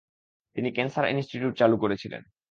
তিনি cancer institute চালু করেছিলেন।